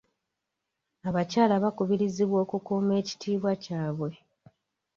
Abakyala bakubirizibwa okukuuma ekitiibwa kyabwe.